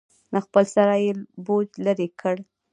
له خپل سره یې بوج لرې کړ.